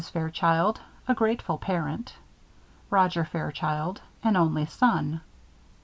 FAIRCHILD: A Grateful Parent. ROGER FAIRCHILD: An Only Son.